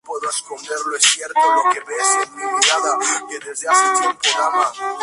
El arboreto está constituido por numerosos jardines y fuentes con vistas al lago.